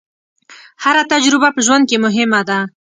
هره تجربه په ژوند کې مهمه ده.